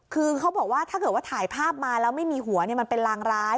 คือเขาบอกว่าถ้าเกิดว่าถ่ายภาพมาแล้วไม่มีหัวมันเป็นรางร้าย